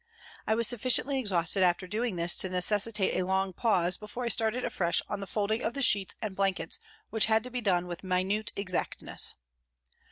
I was sufficiently exhausted after doing this to necessitate a long pause before I started afresh on the folding of the sheets and blankets which had to be done with minute exactness.